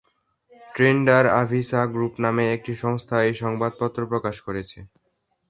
ট্রেন্ডার-আভিসা group নামে একটি সংস্থা এই সংবাদপত্র প্রকাশ করছে।